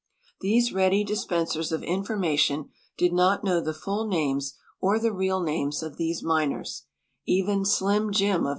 These ready dispensers of information did not know the full names or the nial names of these miners; even "Slim Jim," of